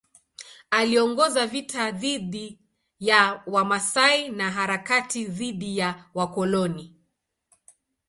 Aliongoza vita dhidi ya Wamasai na harakati dhidi ya wakoloni.